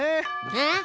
えっ？